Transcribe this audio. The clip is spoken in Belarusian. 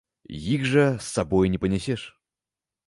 Іх жа з сабою не панясеш.